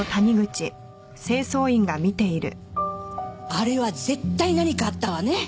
あれは絶対何かあったわね。